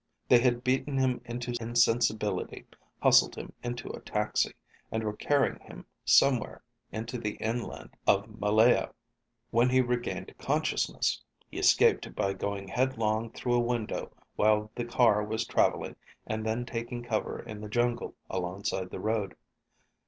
They had beaten him into insensibility, hustled him into a taxi, and were carrying him somewhere into the inland of Malaya when he regained consciousness. He escaped by going headlong through a window while the car was traveling and then taking cover in the jungle alongside the road.